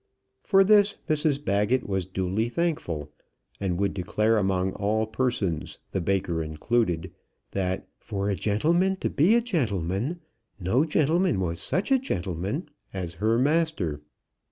For this Mrs Baggett was duly thankful, and would declare among all persons, the baker included, that "for a gentleman to be a gentleman, no gentleman was such a gentleman" as her master.